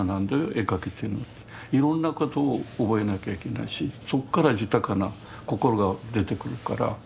いろんなことを覚えなきゃいけないしそこから豊かな心が出てくるから。